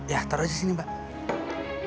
ya taruh di sini mbak